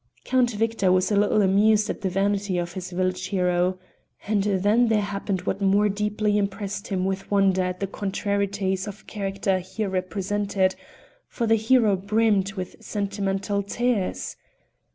Count Victor was a little amused at the vanity of this village hero. And then there happened what more deeply impressed him with wonder at the contrarieties of character here represented, for the hero brimmed with sentimental tears!